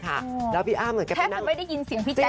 แทบไม่ยินเสียงพี่จั๊ด